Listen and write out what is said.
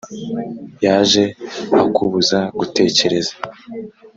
yaje akubuza gutekereza